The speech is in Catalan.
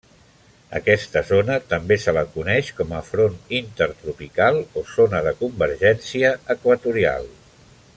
Aquesta zona, també se la coneix com a front intertropical o zona de convergència equatorial.